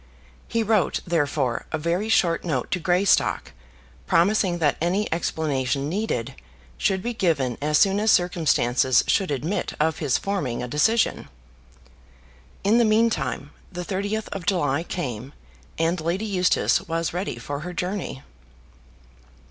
He wrote, therefore, a very short note to Greystock, promising that any explanation needed should be given as soon as circumstances should admit of his forming a decision. In the meantime, the 30th of July came, and Lady Eustace was ready for her journey.